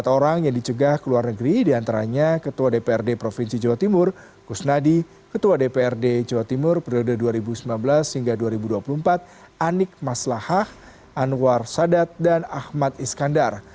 empat orang yang dicegah ke luar negeri diantaranya ketua dprd provinsi jawa timur kusnadi ketua dprd jawa timur periode dua ribu sembilan belas hingga dua ribu dua puluh empat anik maslahah anwar sadat dan ahmad iskandar